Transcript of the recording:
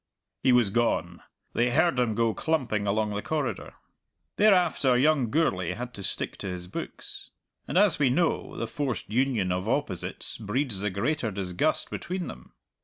He was gone they heard him go clumping along the corridor. Thereafter young Gourlay had to stick to his books. And, as we know, the forced union of opposites breeds the greater disgust between them.